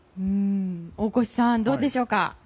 大越さん、どうでしょう？